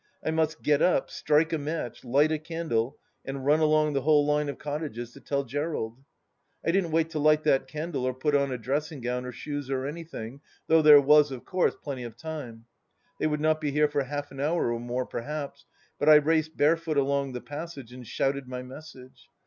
I must get up, strike a match, light a candle, and run along the whole line of cottages to tell Gerald. I didn't wait to light that candle or put on a dressing gown or shoes or anything, though there was, of course, plenty of time — ^they would not be here for half an hour or more perhaps — ^but I raced barefoot along the passage and shouted my message.